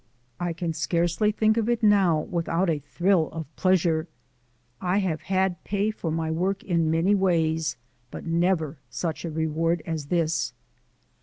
I can scarcely think of it now without a thrill of pleasure. I have had pay for my work in many but never such a reward as this.